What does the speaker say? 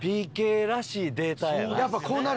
ＰＫらしいデータやな。